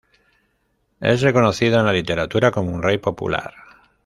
Es reconocido en la literatura como un rey popular.